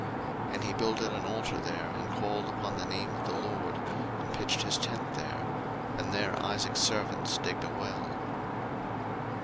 01:026:025 And he builded an altar there, and called upon the name of the LORD, and pitched his tent there: and there Isaac's servants digged a well.